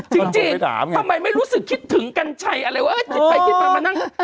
จริงทำไมไม่รู้สึกคิดถึงกัญชัยอะไรเว้ยคิดไปคิดมามานั่ง